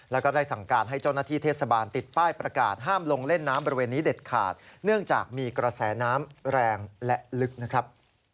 แล้วก็ได้สั่งการให้เจ้าหน้าที่เทศบาลติดป้ายประกาศห้ามลงเล่นน้ำบริเวณนี้เด็ดขาดเนื่องจากมีกระแสน้ำแรงและลึกนะครับ